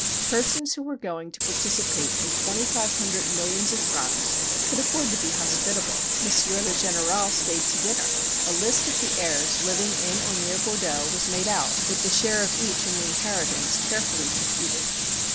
Persons who were going to participate in twenty five hundred millions of francs could afford to be hospitable. M. le Général stayed to dinner. A list of the heirs living in or near Bordeaux was made out with the share of each in the inheritance carefully computed.